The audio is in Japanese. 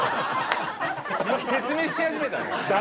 説明し始めたの？